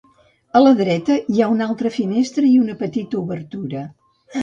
A la dreta hi ha una altra finestra i una petita obertura.